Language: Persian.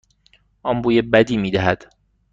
آن بوی بدی میدهد.